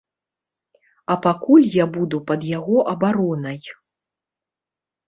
А пакуль я буду пад яго абаронай.